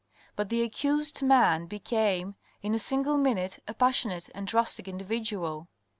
But the accused man became in a single minute a passionate and drastic individual.